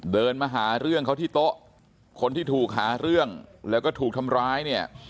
เดินมาหาเรื่องเขาที่โต๊ะคนที่ถูกหาเรื่องแล้วก็ถูกทำร้ายเนี่ย